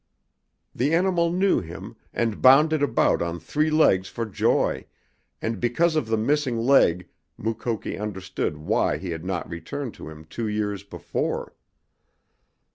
The animal knew him, and bounded about on three legs for joy, and because of the missing leg Mukoki understood why he had not returned to him two years before.